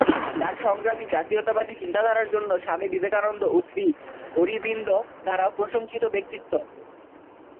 তাঁর সংগ্রামী জাতীয়তাবাদী চিন্তাধারার জন্য স্বামী বিবেকানন্দ ও শ্রী অরবিন্দ দ্বারা প্রশংসিত ব্যক্তিত্ব।